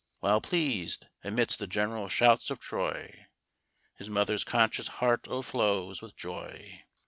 While pleas'd, amidst the general shouts of Troy, His mother's conscious heart o'erflows with joy.